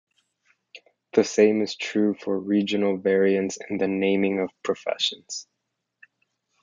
The same is true for regional variants in the naming of professions.